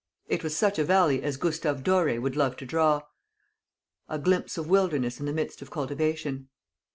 It was such a valley as Gustave Doré would love to draw; a glimpse of wilderness in the midst of cultivation.